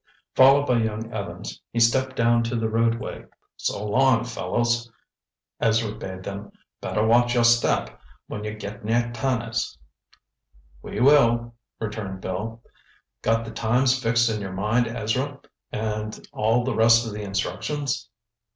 Followed by young Evans, he stepped down to the roadway. "So long, fellows," Ezra bade them, "better watch your step when you get near Turner's." "We will," returned Bill. "Got the times fixed in your mind, Ezra, and all the rest of the instructions?"